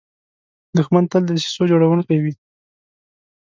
دښمن تل د دسیسو جوړونکی وي